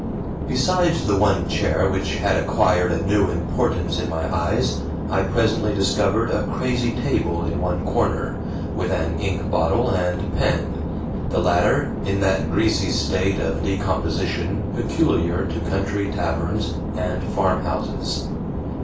Besides the one chair which had acquired a new importance in my eyes, I presently discovered a crazy table in one corner, with an ink bottle and pen; the latter in that greasy state of decomposition peculiar to country taverns and farmhouses.